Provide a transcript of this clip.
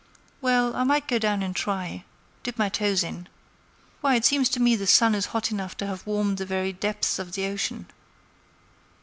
"Well, I might go down and try—dip my toes in. Why, it seems to me the sun is hot enough to have warmed the very depths of the ocean.